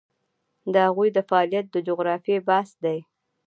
د هغوی د فعالیت د جغرافیې بحث دی.